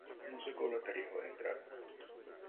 No se cobra tarifa de entrada.